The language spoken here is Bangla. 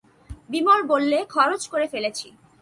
বিমল বললে, খরচ করে ফেলেছি।